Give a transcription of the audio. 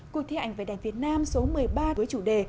cuộc thi hành về đèn việt nam số một mươi ba với chủ đề